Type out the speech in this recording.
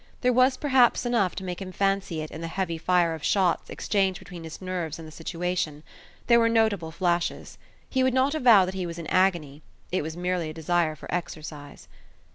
There was perhaps enough to make him fancy it in the heavy fire of shots exchanged between his nerves and the situation; there were notable flashes. He would not avow that he was in an agony: it was merely a desire for exercise.